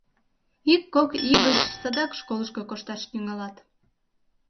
Ик-кок ий гыч садак школышко кошташ тӱҥалат.